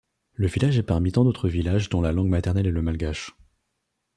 Le village est parmi tant d'autres villages dont la langue maternelle est le malgache.